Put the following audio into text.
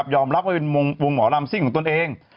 ยอมรับว่าเป็นวงหมอลำซิ่งของตนเอง